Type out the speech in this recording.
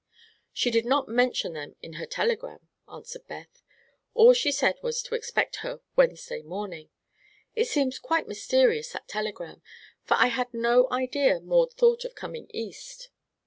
"She did not mention them in her telegram," answered Beth. "All she said was to expect her Wednesday morning. It seems quite mysterious, that telegram, for I had no idea Maud thought of coming East."